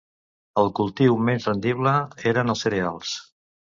El cultiu menys rendible eren els cereals.